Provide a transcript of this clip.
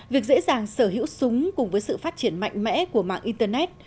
việc dễ dàng sở hữu súng cùng với sự phát triển mạnh mẽ của mạng internet